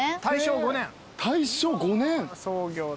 大正５年！？